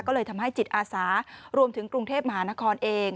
ก็เลยทำให้จิตอาสารวมถึงกรุงเทพมหานครเอง